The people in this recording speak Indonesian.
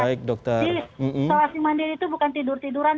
isolasi mandiri itu bukan tidur tiduran